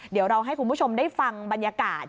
เดี๋ยวเราให้คุณผู้ชมได้ฟังบรรยากาศ